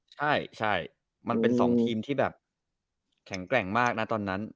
ใช่มันเป็น๒ทีมที่แบบแข็งแกร่งมากนะตอนนั้น